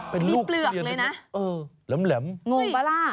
เป็นลูกเปลือกเลยนะเออแหลมงงปะล่ะ